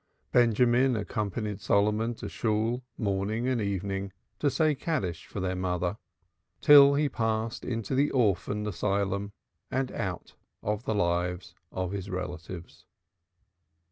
Benjamin accompanied Solomon to Shool morning and evening to say Kaddish for their mother till he passed into the Orphan Asylum and out of the lives of his relatives.